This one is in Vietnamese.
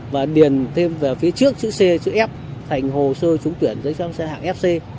và điền thêm vào phía trước chữ c chữ f thành hồ sơ trúng tuyển giấy phép xe hạng fc